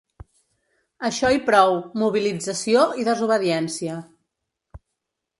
Això i prou: mobilització i desobediència.